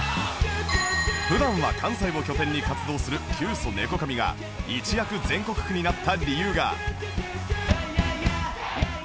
普段は関西を拠点に活動するキュウソネコカミが一躍「歌詞出すと面白いなこれ」